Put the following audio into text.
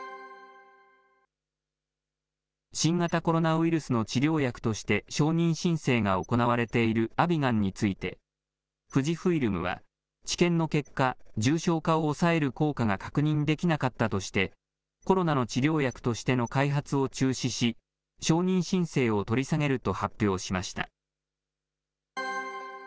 新型コロナウイルスの治療薬として、承認申請が行われているアビガンについて、富士フイルムは、治験の結果、重症化を抑える効果が確認できなかったとして、コロナの治療薬としての開発を中止し、承認申請を取り下げると発表しました。